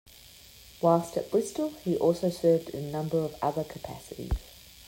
Whilst at Bristol, he also served in a number of other capacities.